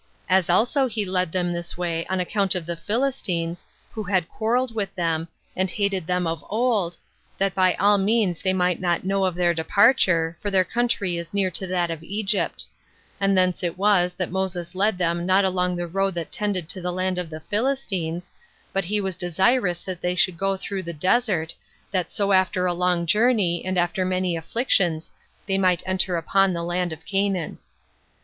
As also he led them this way on account of the Philistines, who had quarreled with them, and hated them of old, that by all means they might not know of their departure, for their country is near to that of Egypt; and thence it was that Moses led them not along the road that tended to the land of the Philistines, but he was desirous that they should go through the desert, that so after a long journey, and after many afflictions, they might enter upon the land of Canaan.